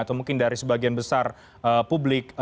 atau mungkin dari sebagian besar publik